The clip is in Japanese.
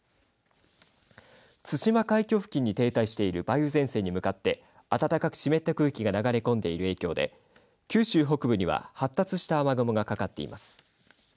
対馬海峡付近に停滞している梅雨前線に向かって暖かく湿った空気が流れ込んでいる影響で九州北部には発達した雨雲がかかっています。